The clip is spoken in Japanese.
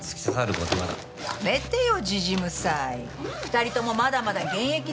２人ともまだまだ現役でしょ。